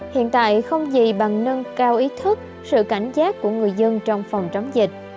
hiện tại không gì bằng nâng cao ý thức sự cảnh giác của người dân trong phòng chống dịch